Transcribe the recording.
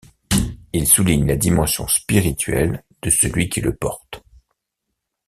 Il souligne la dimension spirituelle de celui qui le porte.